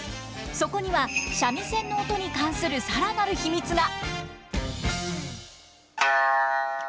そこには三味線の音に関するさらなる秘密が！